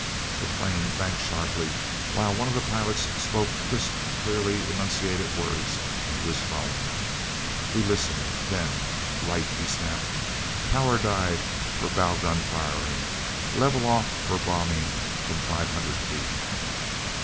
The plane banked sharply while one of the pilots spoke crisp, clearly enunciated words into his phone. He listened; then: "Right!" he snapped. "Power dive for bow gun firing. Level off for bombing from five hundred feet."